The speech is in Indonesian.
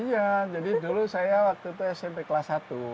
iya jadi dulu saya waktu itu smp kelas satu